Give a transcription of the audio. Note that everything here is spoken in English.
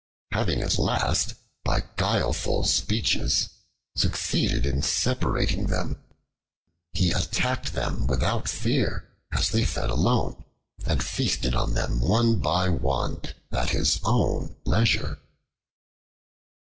Having at last by guileful speeches succeeded in separating them, he attacked them without fear as they fed alone, and feasted on them one by one at his own leisure.